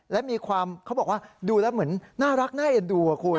และมีความเขาบอกว่าดูแล้วเหมือนน่ารักน่าเอ็นดูอะคุณ